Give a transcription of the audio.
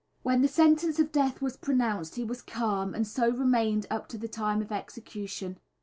When the sentence of death was pronounced he was calm, and so he remained up to the time of execution.